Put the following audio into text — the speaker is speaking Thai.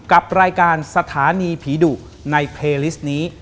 กับรายการสถานีผีดุในเพลิสต์นี้